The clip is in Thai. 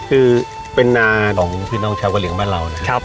คือเป็นนาของพี่น้องชาวกะเหลียงบ้านเรานะครับ